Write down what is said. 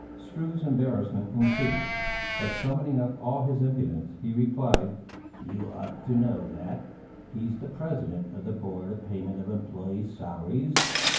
Struve's embarrassment increased, but summoning up all his impudence, he replied, "You ought to know that! He's the president of the Board of Payment of Employés' Salaries."